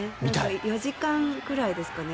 ４時間くらいですかね。